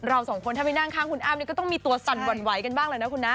สองคนถ้าไปนั่งข้างคุณอ้ำนี่ก็ต้องมีตัวสั่นหวั่นไหวกันบ้างเลยนะคุณนะ